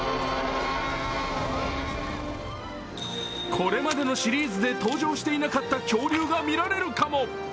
これまでのシリーズで登場していなかった恐竜が見られるかも。